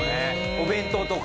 お弁当とか。